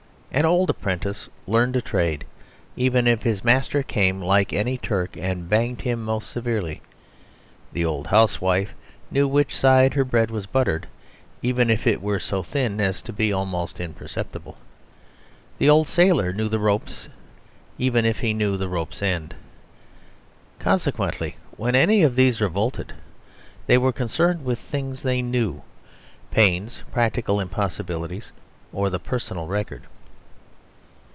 An old apprentice learnt a trade, even if his master came like any Turk and banged him most severely. The old housewife knew which side her bread was buttered, even if it were so thin as to be almost imperceptible. The old sailor knew the ropes; even if he knew the rope's end. Consequently, when any of these revolted, they were concerned with things they knew, pains, practical impossibilities, or the personal record.